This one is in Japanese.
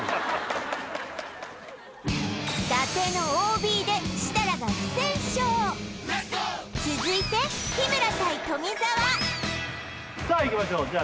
伊達のＯＢで設楽が不戦勝続いて日村対富澤さあいきましょうじゃ